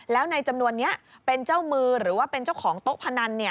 แล้วในจำนวนนี้เป็นเจ้ามือหรือว่าเป็นเจ้าของโต๊ะพนัน